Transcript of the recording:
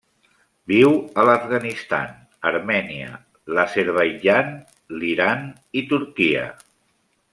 Viu a l'Afganistan, Armènia, l'Azerbaidjan, l'Iran i Turquia.